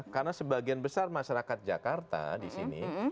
karena sebagian besar masyarakat jakarta di sini